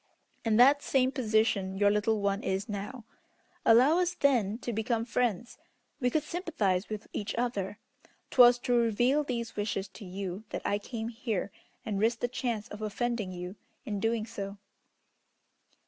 In that same position your little one is now. Allow us, then, to become friends. We could sympathize with each other. 'Twas to reveal these wishes to you that I came here, and risked the chance of offending you in doing so."